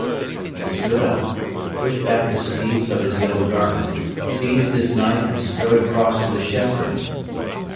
He stood up, pushed back the sleeves of his yellow garment, seized his knife and strode across to the shepherd.